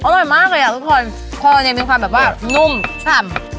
อร่อยมากอะทุกคนของอันนี้มีความแบบว่านุ่มช่ำ